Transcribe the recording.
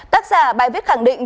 tác giả bài viết khẳng định